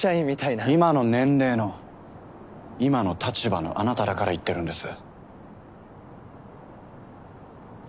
今の年齢の今の立場のあなただから言ってるんです。